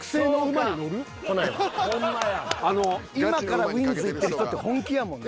今からウインズ行ってる人って本気やもんな。